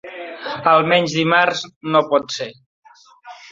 Al menys dimarts no pot ser.